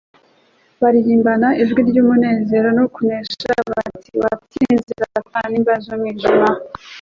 baririmbana ijwi ry'umunezero no kunesha bati : Watsinze Satani n'imbaraga z'umwijima,